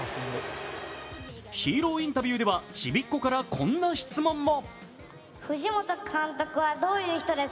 ヒーローインタビューではちびっ子からこんな質問も。